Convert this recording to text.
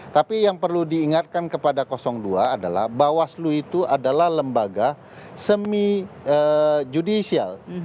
tapi yang perlu diingatkan kepada dua adalah bawaslu itu adalah lembaga semi judicial